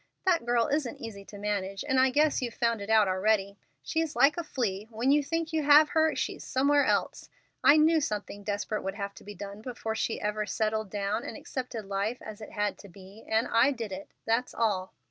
That girl isn't easy to manage, and I guess you've found it out already. She's like a flea: when you think you have her, she's somewhere else. I knew something desperate would have to be done before she ever settled down and accepted life as it had to be, and I did it, that's all.